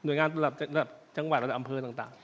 หน่วยงานตลอดจังหวัดตลอดอำเภอต่าง